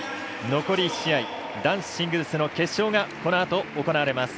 残り１試合男子シングルスの決勝がこのあと行われます。